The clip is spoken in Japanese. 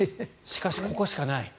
しかし、ここしかない。